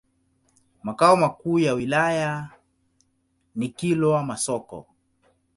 Makao makuu ya wilaya ni Kilwa Masoko.